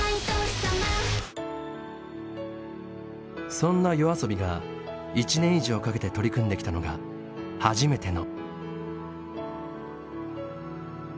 そんなＹＯＡＳＯＢＩが１年以上かけて取り組んできたのが「はじめての」。